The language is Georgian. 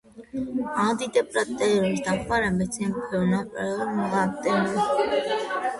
ანტიდეპრესანტების დახმარებით სინაფსურ ნაპრალში მატულობს ამ მედიატორების კონცენტრაცია, ამის შედეგად მათი ეფექტი ძლიერდება.